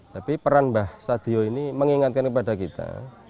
tapi peran mbah sadio ini mengingatkan kepada kita